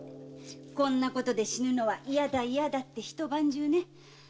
「こんなことで死ぬのはイヤだ」って一晩中ね。